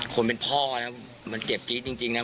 คนเป็นพ่อนะครับมันเจ็บจี๊ดจริงนะครับ